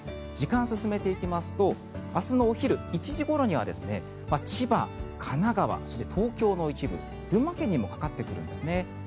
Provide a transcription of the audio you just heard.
時間を進めていきますと明日のお昼１時ごろには千葉、神奈川、そして東京の一部群馬県にもかかってくるんですね。